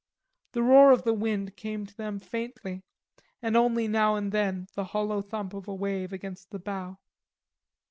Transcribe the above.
The roar of the wind came to them faintly, and only now and then the hollow thump of a wave against the bow.